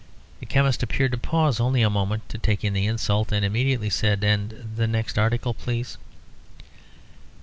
The chemist appeared to pause, only a moment, to take in the insult, and immediately said "And the next article, please?"